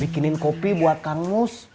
bikinin kopi buat kang mus